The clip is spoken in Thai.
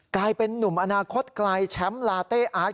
กลายเป็นนุ่มอนาคตไกลแชมป์ลาเต้อาร์ต